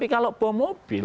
kalau bom mobil